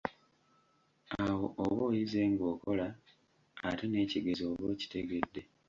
Awo oba oyize ng'okola, ate n'ekigezo oba okitegese.